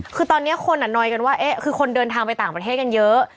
คือตอนนี้คนนอยกันว่าคือคนเดินทางไปต่างประเทศกันเยอะ